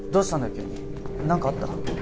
急に何かあった？